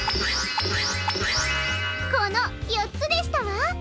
このよっつでしたわ。